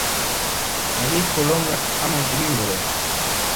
Hagi koloŋga haa maŋ ɓugigolo.